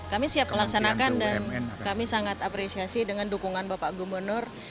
kami siap laksanakan dan kami sangat apresiasi dengan dukungan bapak gubernur